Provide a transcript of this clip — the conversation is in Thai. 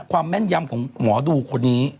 แม่นยำของหมอดูคนนี้